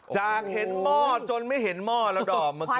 จากเห็นหม้อจนไม่เห็นหม้อแล้วดอมเมื่อกี้